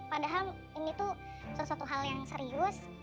padahal ini tuh sesuatu hal yang serius